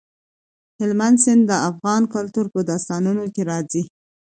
هلمند سیند د افغان کلتور په داستانونو کې راځي.